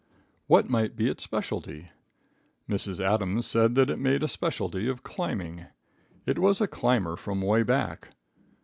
What might be its specialty? Mrs. Adams said that it made a specialty of climbing. It was a climber from away back.